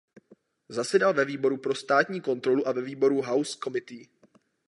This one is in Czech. Zasedal ve výboru pro státní kontrolu a ve výboru House Committee.